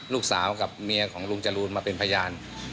ลูกสาวกับเมียของลุงจรูนมาเป็นพยาน